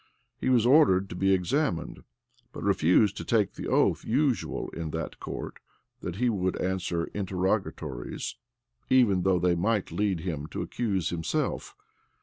He was ordered to be examined; but refused to take the oath usual in that court that he would answer interrogatories, even though they might lead him to accuse himself.